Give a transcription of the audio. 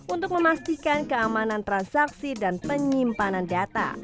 untuk memastikan keamanan transaksi dan penyimpanan data